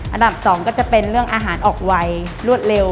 อันดับ๒ก็จะเป็นเรื่องอาหารออกไวรวดเร็ว